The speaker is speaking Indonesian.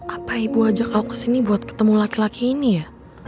apa ibu ajak kau kesini buat ketemu laki laki ini ya